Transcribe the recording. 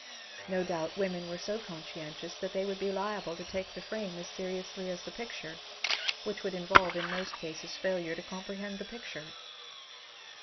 No doubt women were so conscientious that they would be liable to take the frame as seriously as the picture, which would involve in most cases failure to comprehend the picture.